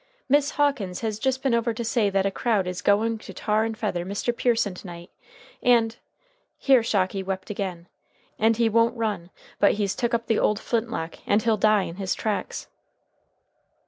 "Miss Hawkins has just been over to say that a crowd is going to tar and feather Mr. Pearson to night. And " here Shocky wept again. "And he won't run, but he's took up the old flintlock, and he'll die in his tracks."